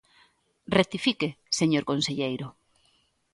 Rectifique, señor conselleiro.